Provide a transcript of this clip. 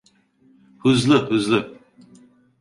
Hızlı, hızlı!